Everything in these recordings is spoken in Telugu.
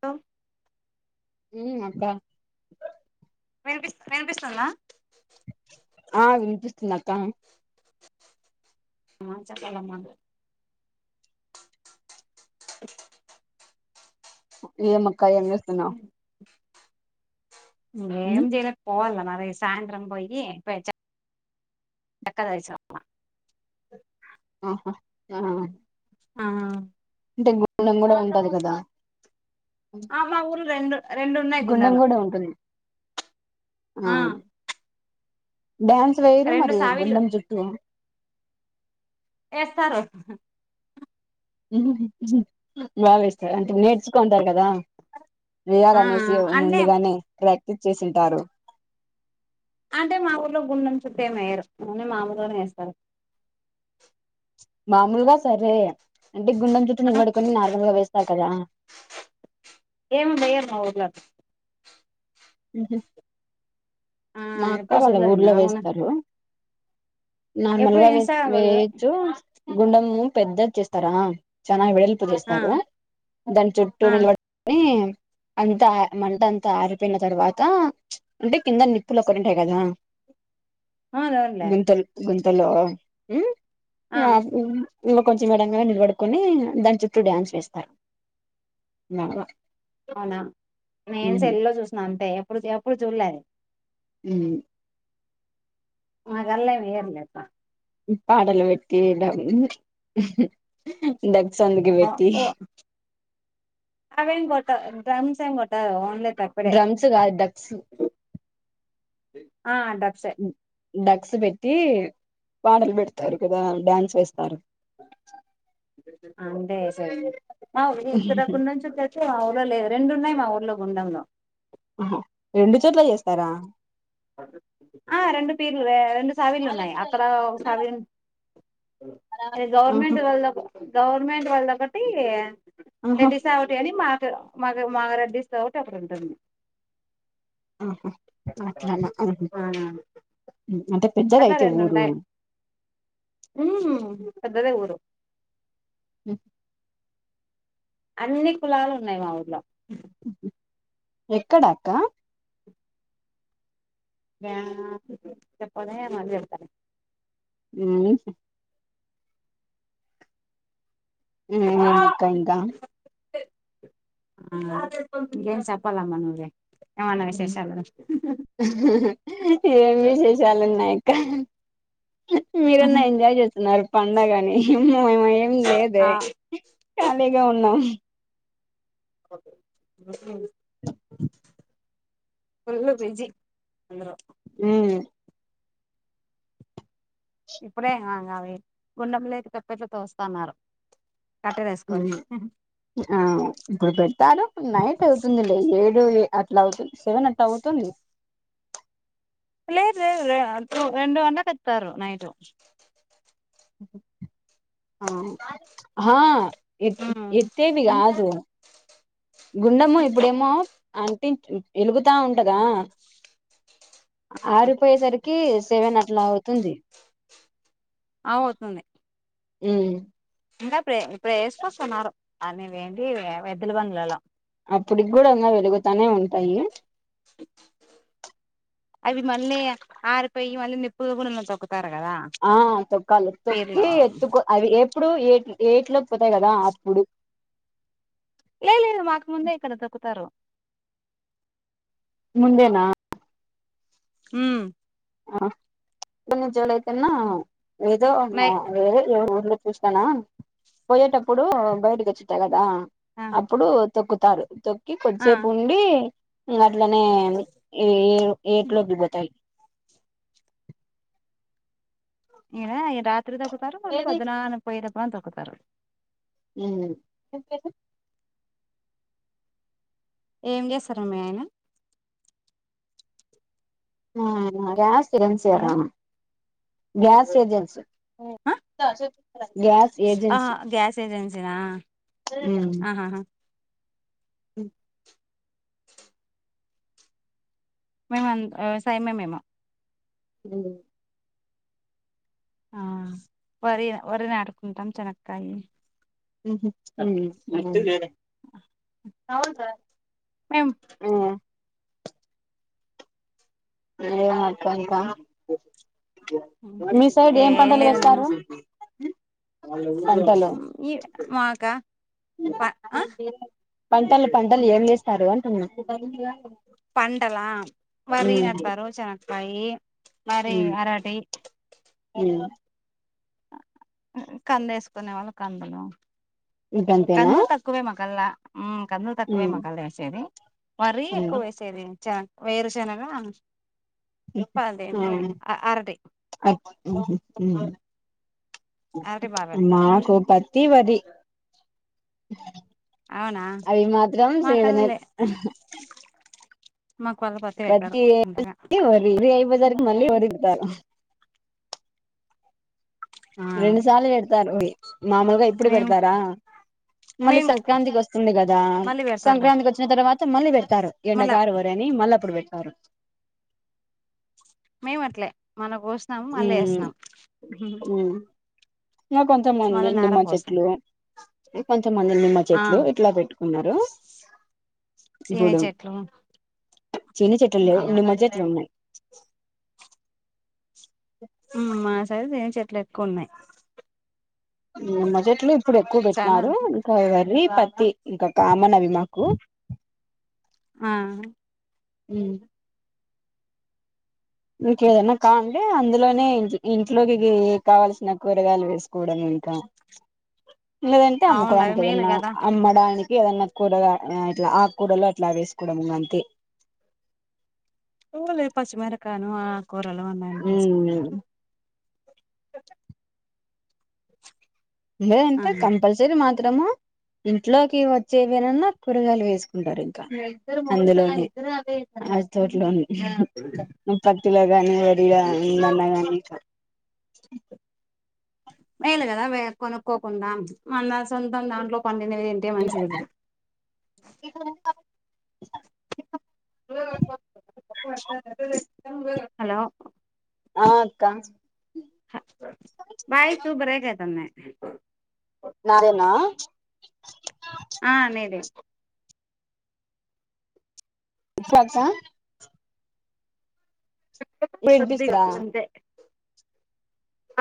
లొ ఉ అబ్బ వినిపిస్ వినిపిస్తుందా? ఆ వినిపిస్తుందక్క మా చెప్పాలమ్మ ఏమక్క ఏం చేస్తు ఏం జేయలే, పోవాల మరి సాయంత్రం పోయి పైచ చకర్ తెరిసి ర వ ఆహా ఆ ఆ అంటే గుండం కూడా ఉంటది కదా ఆ మా ఊర్లు రెండు రెండున్నాయి గుండం గుండాలు. కూడా ఉంటుంది ఆ డ్యాన్స్ వేయరు రెండు మరి సావిలు గుండెం చుట్టూ ఏస్తారు బా వేస్తారు అంటే నేర్చుకుంటారు కదా ఆ వేయాలనేసి అంటే ముందుగానే ప్రాక్టీస్ చేసింటారు అంటే మా ఊర్లో గుండెం చుట్టూ ఏం ఎయ్యరు. ఓన్లీ మామలుగానే వేస్తారు. మామూలుగా సరే, అంటే గుండెం చుట్టూ నిలబడుకొని నార్మల్గా వేస్తారు కదా. ఏం వెయ్యర్ మా ఊర్లో అట్ ఉహు ఆ మా అక్క ఎప్పుడు వాళ్ళ చూడలే ఊర్లో నేను అవునా వేస్తారు. నార్మల్ ఎప్పుడు గా వేస్ ఇన్స్టాగ్రామ్ లో చూ వేయచ్చు, గుండెము పెద్ద చేస్తారా ఆ చాన వెడల్ప్ పు ఆ చేస్తారు. ఆ దాన్ చుట్టూ ఆ నిలబడ్ కొని అంతా మంటంతా ఆరి పోయిన తర్వాత అంటే కింద నిప్పులు ఒకటి ఉంటాయి కదా అవునవునులే గుంతల్ గుంతలో హు ఆ హు ఇ కొంచెం మడంగా నిలబడుకొని దాని చుట్టూ డ్యాన్స్ వేస్తారు బాగా అవునా నేన్ సెల్ లో చూసిన అంతే ఎప్పుడు ది ఎప్పుడు చూడ్లే ఉమ్ మా దాన్ల ఏం ఎయ్యదులె అక్క పాడలు పెట్టి డం డగ్ సాంగ్ అవేం కొట్ట డ్రమ్స్ ఏం గొట్టరు గదా ఓన్లీ ట డ్రమ్స్ కాదు డక్స్ ఆ డబ్సె డగ్స్ పెట్టి పాటలు పెడతారు కదా డ్యాన్స్ వేస్తారు అవును మీ ఇంట్ల డగ్ ఉందని చెప్పావ్ తె మా ఊర్లో లేదు రెండు ఉన్నయి మా ఊర్లో గుండంలో ఆహ రెండు చోట్ల చేస్తరా ఆ రెండు పీర్లు వే రెండు సవిడ్లు ఉన్నాయి అక్కడా ఒక సవిడ్ ఉన్ ఆహా గవర్నమెంట్ లళ్ల గవర్నమెంట్ వాళ్ళదొకటి ఆహా రెడ్డిసా ఒకటి అని మాట్ మాది మా రెడ్డిస్ దొకటి అక్కడ ఉంటుంది ఆహా అట్లనా ఆహా అంటే అట్లా పెద్దదయితే ఊరు ఊమ్ పెద్దదే ఊరు ఉమ్ హ్ అన్ని కులాలు ఉన్నయి మా ఊర్లో ఆహ ఎక్కడక్క బ్యా చెప్పాలె మల్లి చెప్తలే ఉమ్ ఉమ్ అవునక్కా అయిందా ఆ ఇంకేంటి చెప్పాలమ్మా నువ్వే ఏమన్న విశేషాలు ఏం విశేషాలున్నయక్క మీరన్నా ఎంజాయ్ చేస్తున్నరు పండగని మ్మ ఎమ్మ ఏం లేదే ఆ ఖాళీగా ఉన్నాం ముస్లిమ్స్ ఫుళ్ళు బిజి అందరూ ఉమ్ ఇప్పుడే ఆ ఇంగ అవి గుండంలోకి తప్పెట్లు తోస్తన్నారు కర్టెన్ ఏసుకోని ఉమ్ ఆ ఇప్పుడు పెడతారు నైట్ అవుతుందిలె ఏడు ఏ అట్లవుతుంది సెవెన్ అట్లా అవుతుంది లేదు లేదులే అంతలో రెండు గంటలకు తెత్తారు నైటు ఆ అహా ఎక్ ఇచ్ ఎక్కేవి గాదు గుండము ఇప్పుడేమో అంటి ఇ ఎలుగుతా ఉంటదా ఆరిపోయే సరికి సెవెన్ అట్లా అవుతుంది అ అవుతుంది ఉమ్ ఇంకా ఇప్పుడే ఇప్పుడేసుకొస్తున్నారు అని వేంటి ఎద్దుల బండ్లల్లా అప్పటిగ్గుడా అన్న వెలుగుతానే ఉంటాయి అవి మళ్ళీ ఆరిపోయి మళ్ళీ నిప్పులు గూడ తొక్కుతారు కదా ఆ తొక్కాలి పీర్లో తొక్కి ఎత్తుకో అవి ఎప్పుడు ఏ ఏట్లోకి పోతాయి కదా అప్పుడు లే లేదు మాకు ముందే ఇక్కడ దొక్కుతారు ముందేన హు ఆ కొన్ని జూలై కిన్నా ఏదో నై ఊళ్ళ చూస్తాన పోయేటప్పుడు బయటకి వచ్చిటాయ్ కదా ఆ అప్పుడు తొక్కుతారు తొక్కి ఆ కొద్దిసేపు ఉండి అట్లనే [unintelligible] ఇన ఈ రాత్రి తొకుతారు మళ్ళీ పద్నాలు [unintelligible] అ తొకుతారు ఉ ఏం చేస్తరు మీ ఆయన ఆ hello [unintelligible] gas agency gas agency ఆహా గ్యాస్ ఏజెన్సీనా హు ఆహాహా అ మేము వ్యవసాయమే మేము ఉ ఆ వరి వరి నాటుకుంటాం చెనక్కాయి [inaudible] ఆ అవును సార్ మేం ఇంగ ఎం అక్క ఇంక ఉ ఏం లేదు నాన్న హలో మాక ప పంటలు పంటలు ఏం లేస్తారు అంటున్నా పంటల వరి నతారు చెనకాయ మరి అరటి ఉ కంద వేసుకునే వాళ్ళు కందులు ఇంకంతేనా కందులు తక్కువే మాకల్లా కందులు తక్కువే మాక్కళ వేసేది మరీ ఎక్కువ వేసేది చ వేరుశనగా [unintelligible] అరటి అరటి బాగా పెడతారు మాకు తీవది అవునా అవి మాత్రం సీజనే మాకల్లలే మాకు కొళ్ళ [unintelligible] పెట్టారు పత్తి అంతగ [unintelligible] ఆ రెండు సార్లు పెడతారు మామూలుగ ఇప్పుడు మేము పెడతార మళ్ళీ మేము సంక్రాంతికి వస్తుంది కదా మళ్ళీ పెడతారులే సంక్రాంతికి వచ్చి వచ్చిన తర్వాత మళ్ళీ పెడతారు మళ్ళా ఎండగారు వర అని మళ్ళీ అప్పుడు పెడతరు మేము అట్లే మన కోస్నం మళ్ళీ వేస్తున్నాం ఇంక కొంచంమంది మళ్ళ నార నిమ్మ పోసం చెట్లో కొంచెమంది నిమ్మ ఆ చెట్లు ఇట్లా పెట్టుకున్నారు సీని ఇప్పుడు చెట్లు చిన్న చెట్ లేవు [unintelligible] మధ్య అట్లు ఉన్నాయి మా సైడు నిమ్మ చెట్లు ఎక్కువ ఉన్నాయి నిమ్మ చెట్లు ఇప్పుడు ఎక్కువ చానా పెట్టినారు ఇంకా వర్రి పత్తి ఇంకా కామన్ అవి మాకు ఉమ్మ్ ఉమ్మ్ ఇంకేదన్నా కా అంటే అందులోనే ఇం ఇంట్లోకి కావల్సిన కూరగాయలు వేసుకోవడం ఇంకా లేదంటే అవునులే అవి అమ్ముకోడానికి మేలు ఏదన్నా కదా అమ్మడాని ఏదన్నా కూరగా ఇట్లా ఆకూరలు అట్లావి ఏసుకోవడం ఇంగ అంతే పోలే పచ్చిమెరకను ఆకుకూరలు ఉన్నాయంటే మ్మ్ ఎసుకుంటరు వచ్చ [inaudible] లే అంటే కంపల్సరీ మాత్రము ఇంట్లోకి వచ్చేవినాన్నా కూరగాయలు వేసుకుంటారు ఇంకా అందులోనే ఆ తోటలోనే పత్తిలో గానీ వరిలొనన్న గాని మేలు కదా కొనుక్కోకుండా మన సొంతం దాంట్లో పండినవి తింటే మంచిది ఇప్పుడు హలో ఆ అక్క వాయిస్ బ్రేక్ అయితుంది నాదేనా ఆ నీదే ఇఫులక్సా ఇప్పుడు కొద్దిగా వినిపిస్తదా అంతే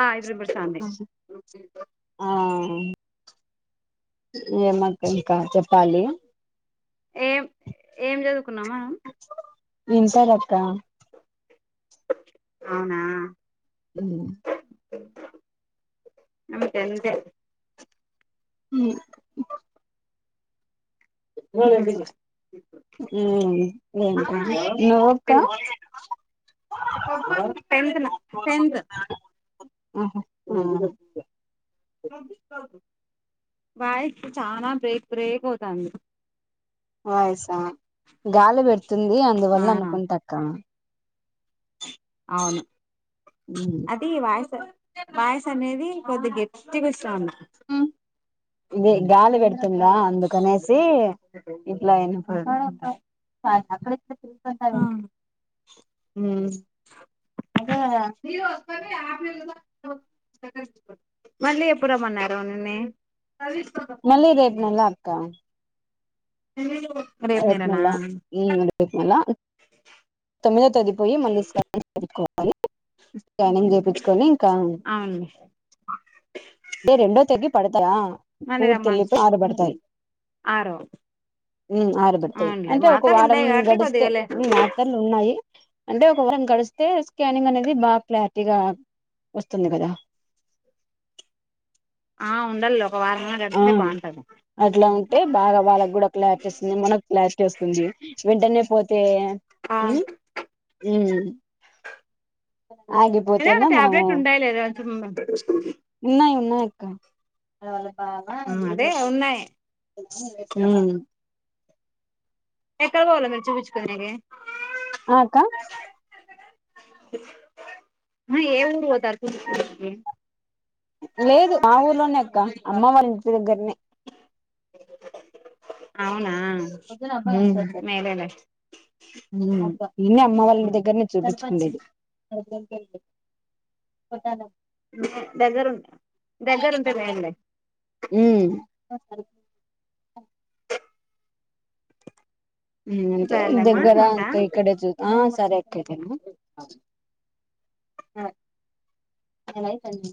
ఆ ఇప్పుడు వినిపిస్తోంది ఆ ఏమక్క ఇంకా చెప్పాలి ఏం ఏం చదువుకున్నావ్ మామ్ ఇంటర్ అక్కా అవునా ఉమ్మ్ అంతంతే ఉమ్మ్ లేదంటివి ఉమ్మ్ ఇంటరా నువ్వక్క టెన్త్‌నా టెన్త్ ఆహా వాయిస్ చానా బ్రేక్ బ్రేక్ అవుతాంది వాయిసా గాలి పెడుతుంది ఆ అందువల్ల అనుకుంట అక్క అవును ఉమ్మ్ అది వాయస్సు వాయస్ అనేది కొద్దిగ గెట్టిగా వస్తాంది ఇదే గాలి పెడుతుందా అందుకనేసి ఇట్లా ఇనపడు ఉమ్మ్ సర ఆమె మళ్ళీ ఎప్పుడు రమ్మన్నారు నిన్ని మళ్లీ రేపు నెల అక్క [unintelligible] నేననా రత్నల ఈ రతునల తొమ్మిదో తారీకుపోయి మళ్ళీ స్కానింగ్ చేయ్యించుకోవాలి. స్కానింగ్ చేపించుకొని ఇంకా అవునండి. అయితే రెండో తేది పడతాయా మళ్ళీ రమ్మను పూర్తేల్లిపోయి ఆరు పడతాయి. ఆరో ఉ ఆరుబడతయి అవునులే అంటే ఒక మాతలు వారం ఉంటాయి కాబట్టి గడస్తే. కొద్దిగాలే ఆర్నెల్లు ఉన్నాయి అంటే ఒక వారం గడిస్తే స్కానింగ్ అనేది బాగా క్లారిటీగా వస్తుంది కదా. ఆ ఉండాల్లే ఒక వారమే ఆ గడిస్తే బావుంటది. అట్లా ఉంటే బాగా వాళ్ళకు కూడా క్లారిటీ వస్తుంది, మనకు క్లారిటీ వస్తుంది వెంటనే పోతే హ్ హ్ అయినా మనము టాబ్లెట్లు ఉంటాయిలేరా చిన్నగా. ఉన్నాయి ఉన్నాయక్క అదే ఉన్నాయి. హ ఎక్కడ పోవాల మీరు చూపించుకునేకి. ఆ అక్క. ఆహా ఏ ఊరు పోతార్రు చూపించుకొనికి. లేదు ఆ ఊర్లోనే అక్క అమ్మ వాళ్ళ ఇంటి దగ్గరనే. అవునా. మేలేలే ఇన్నే అమ్మ వాళ్ళ ఇంటి దగ్గరనే. చేపించుకునేది. దగ్గరఉం దగ్గర ఉంటే మేలులే. హ్ అంతే సర్లేమ్మా దగ్గర ఉంటా ఇంకా ఇక్కడే చూ ఆ సరే అక్క అయితేను. ఆ టైం అయితాంది.